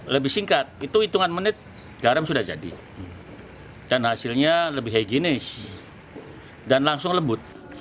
lebih singkat itu hitungan menit garam sudah jadi dan hasilnya lebih higienis dan langsung lembut